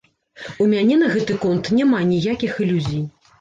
У мяне на гэты конт няма ніякіх ілюзій.